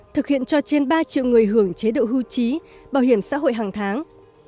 thực hiện cho trên ba triệu người hưởng chế độ hưu trí bảo hiểm xã hội hàng tháng